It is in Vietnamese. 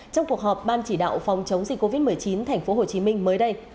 trong cuộc họp ban chỉ đạo phòng chống dịch covid một mươi chín tp hcm mới đây